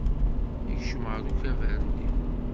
Yekcem ɣer ukabar-nni.